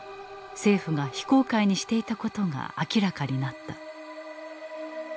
政府が非公開にしていたことが明らかになった。